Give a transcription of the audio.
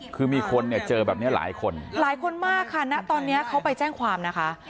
คือมีคนเนี่ยเจอแบบนี้หลายคนหลายคนมากค่ะณตอนนี้เขาไปแจ้งความนะคะ